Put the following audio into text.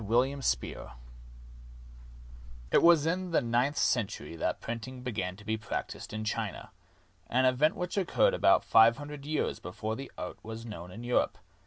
WILLIAM SPEER It was in the ninth century that printing began to be practiced in China — an event which occurred about five hundred years before that art was known in Europe.